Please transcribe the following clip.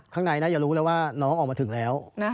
ข้างในน่าจะรู้แล้วว่าน้องออกมาถึงแล้ว